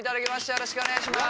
よろしくお願いします。